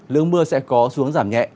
lưỡng mưa sẽ có xuống giảm nhẹ